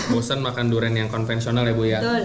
bosan makan durian yang konvensional ya buya